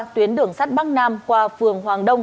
tuyến đường sắt bắc nam qua phường hoàng đông